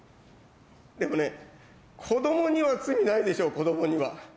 でもね、子どもには罪ないでしょう、子どもには。